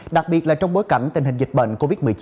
đặc biệt là trong bối cảnh tình hình dịch bệnh covid một mươi chín